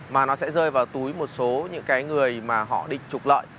mà nó sẽ rơi vào túi một số những cái người mà họ định trục lợi